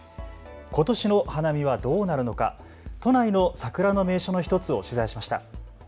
ことしの花見はどうなるのか、都内の桜の名所の１つを取材しました。